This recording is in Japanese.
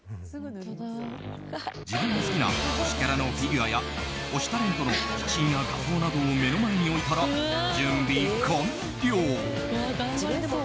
自分が好きな推しキャラのフィギュアや推しタレントの写真や画像などを目の前に置いたら準備完了。